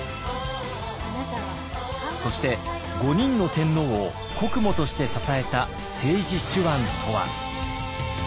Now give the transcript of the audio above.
そして５人の天皇を国母として支えた政治手腕とは？